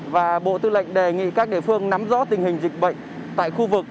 và bộ tư lệnh đề nghị các địa phương nắm rõ tình hình dịch bệnh tại khu vực